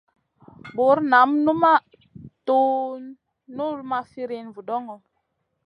Bur nam numaʼ tun null ma firina vudoŋo.